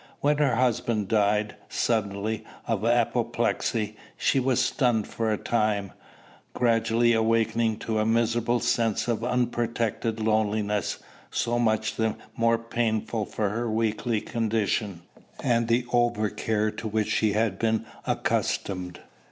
When her husband died, suddenly, of apoplexy, she was stunned for a time, gradually awaking to a miserable sense of unprotected loneliness, so much the more painful for her weakly condition, and the overcare to which she had been accustomed.